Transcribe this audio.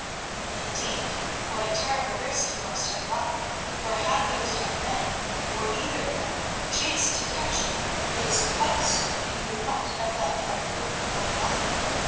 "Indeed; what a terrible risk you must have run, for had those young men, or either of them, chanced to catch you, it is quite certain that you would not have left that room alive.